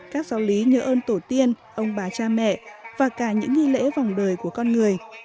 các giáo lý nhớ ơn tổ tiên ông bà cha mẹ và cả những nghi lễ vòng đời của con người